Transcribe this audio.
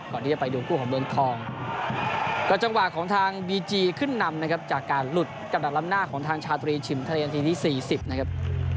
ก็ดัดลำหน้าของทางชาตุรีชิมทะเลนทีที่๔๐นะครับ